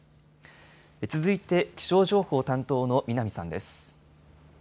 続いて気象情報担当の南さんです。